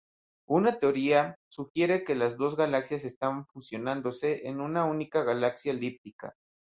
Una teoría sugiere que las dos galaxias están fusionándose en una única galaxia elíptica.